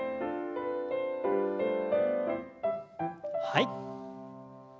はい。